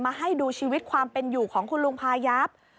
ให้ดูชีวิตความเป็นอยู่ของคุณลุงพายับ